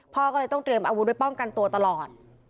พ่อก็เรียงต้อง๑๐๘๐อะไรอาวุธเพื่อป้องกันตัวตลอด